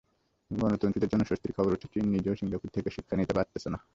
গণতন্ত্রীদের জন্য স্বস্তির খবর হচ্ছে চীন নিজেও সিঙ্গাপুর থেকে শিক্ষা নিতে পারছে না।